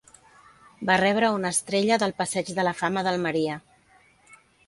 Va rebre una estrella del Passeig de la Fama d'Almeria.